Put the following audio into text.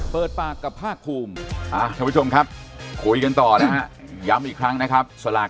เปิดปากกับภาคคุมครับคุยกันต่อนะย้ำอีกครั้งนะครับสลาก